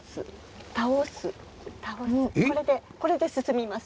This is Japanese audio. これで進みます。